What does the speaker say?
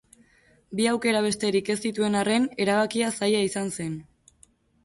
Bi aukera besterik ez zituen arren, erabakia zaila izan zen.